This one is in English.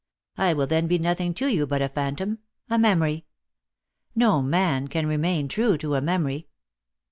I will then be nothing to you but a phantom a memory. No man can remain true to a memory."